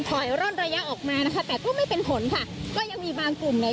ร่อนระยะออกมานะคะแต่ก็ไม่เป็นผลค่ะก็ยังมีบางกลุ่มเนี่ย